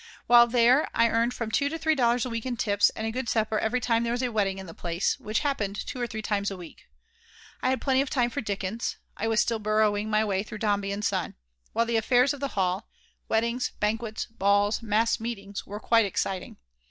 While there I earned from two to three dollars a week in tips and a good supper every time there was a wedding in the place, which happened two or three times a week. I had plenty of time for Dickens (I was still burrowing my way through Dombey and Son) while the "affairs" of the hall weddings, banquets, balls, mass meetings were quite exciting.